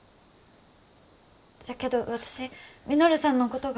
じゃけど私稔さんのことが。